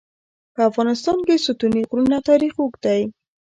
په افغانستان کې د ستوني غرونه تاریخ اوږد دی.